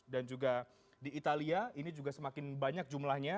dan juga di italia ini juga semakin banyak jumlahnya